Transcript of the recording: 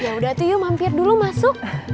yaudah tuh yuk mampir dulu masuk